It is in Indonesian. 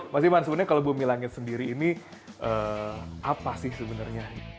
mas iman sebenarnya kalau bumi langit sendiri ini apa sih sebenarnya